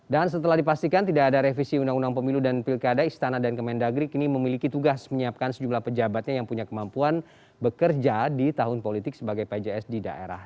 dan setelah dipastikan tidak ada revisi undang undang pemilu dan pilkada istana dan kemendagrik ini memiliki tugas menyiapkan sejumlah pejabatnya yang punya kemampuan bekerja di tahun politik sebagai pjs di daerah